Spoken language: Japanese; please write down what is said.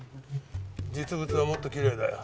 実物はもっときれいだよ。